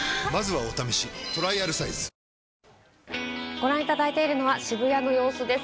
ご覧いただいているのは渋谷の様子です。